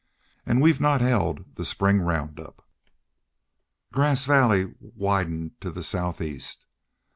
An' we've not hed the spring round up." Grass Valley widened to the southeast.